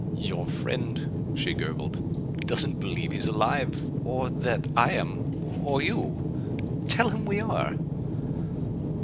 "Your friend," she gurgled, "doesn't believe he's alive, or that I am, or you. Tell him we are."